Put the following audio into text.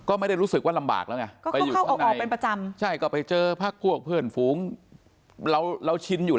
ก็ไม่ได้รู้สึกว่าลำบากแล้วไง